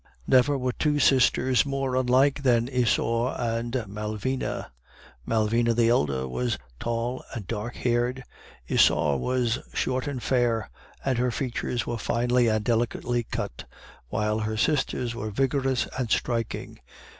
"Never were two sisters more unlike than Isaure and Malvina. Malvina the elder was tall and dark haired, Isaure was short and fair, and her features were finely and delicately cut, while her sister's were vigorous and striking.